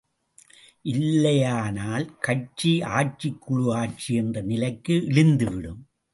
இல்லையானால் கட்சி ஆட்சி குழு ஆட்சி என்ற நிலைக்கு இழிந்து விடும்.